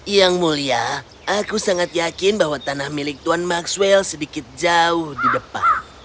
yang mulia aku sangat yakin bahwa tanah milik tuan maxwell sedikit jauh di depan